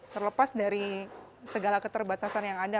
terlepas dari segala keterbatasan yang ada